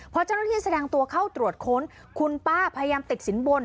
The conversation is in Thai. พอเจ้าหน้าที่แสดงตัวเข้าตรวจค้นคุณป้าพยายามติดสินบน